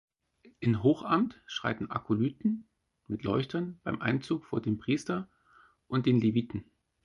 In Hochamt schreiten Akolythen mit Leuchtern beim Einzug vor dem Priester und den Leviten.